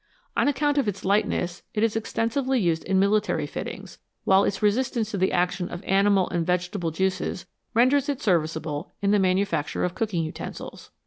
On account of its lightness it is extensively used in military fittings, while its resistance to the action of animal and vegetable juices renders it serviceable in the manufacture of cooking utensils.